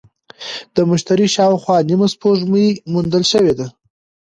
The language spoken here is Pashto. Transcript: د مشتري شاوخوا نیمه سپوږمۍ موندل شوې ده.